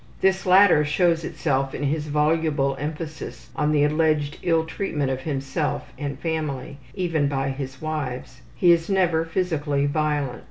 This latter shows itself in his voluble emphasis on the alleged ill treatment of himself and family, even by his wives. He is never physically violent.